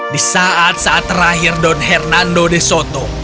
di saat saat terakhir don hernando de soto